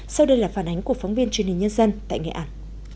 sau đây là phản ánh của phóng viên truyền hình nhân dân tại nghệ an